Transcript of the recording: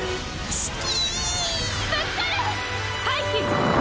シキ。